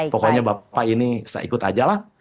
pokoknya bapak ini saya ikut aja lah